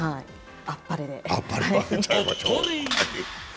あっぱれで。